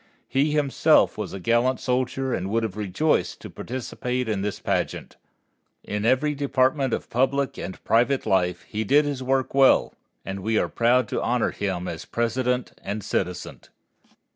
He himself was a gallant soldier and would have rejoiced to participate in this pageant. In every department of public and private life he did his work well, and we are proud to honor him as President and citizen.